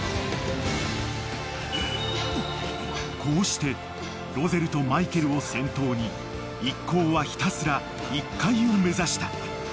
［こうしてロゼルとマイケルを先頭に一行はひたすら１階を目指した］